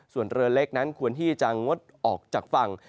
ส่วนเรือเล็กนั้นควรที่จะงดออกจากฝั่ง